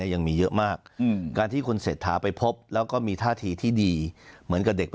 ยังมีเยอะมากการที่คุณเศรษฐาไปพบแล้วก็มีท่าทีที่ดีเหมือนกับเด็ก